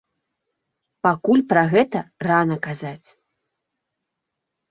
Пакуль пра гэта рана казаць.